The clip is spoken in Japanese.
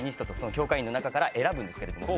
協会員の中から選ぶんですけども。